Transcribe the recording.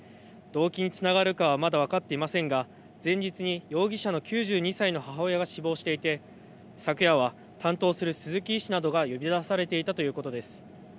動機につながるかはまだ分かっていませんが前日に容疑者の９２歳の母親が死亡していて昨夜は担当する鈴木医師などが呼び出されていたということです。